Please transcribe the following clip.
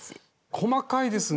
細かいですね！